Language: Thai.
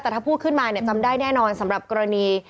แต่ถ้าพูดขึ้นมาเนี่ยจำได้แน่นอนสำหรับกรณี